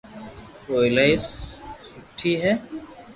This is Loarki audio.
او ايلائي سوٺي ھي